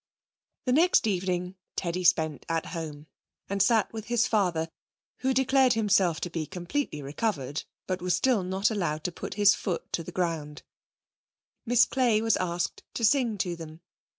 The next evening Teddy spent at home, and sat with his father, who declared himself to be completely recovered, but was still not allowed to put his foot to the ground, Miss Clay was asked to sing to them.